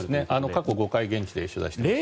過去５回現地で取材しています。